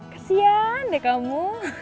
kesian deh kamu